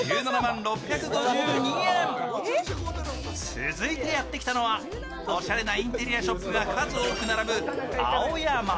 続いてやってきたのはおしゃれなインテリアショップが数多く並ぶ青山。